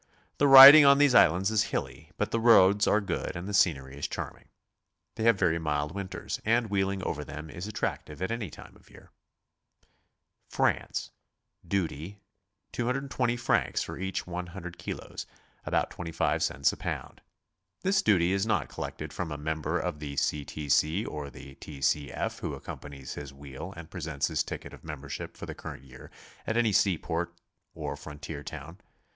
The riding, on these islands is hilly, but the roads are good and the scenery is charming. They have very mild winters^ and wheeling over them is attractive at any time of year. FR.\NCE. Duty, 220 francs for each 100 kil'os, — about 25 cents a pound. This duty is not collected from a member of the C. T. C. or the T. C. F. who accompanies his wheel and presents his ticket of membership for the current year at any seaport or frontier town.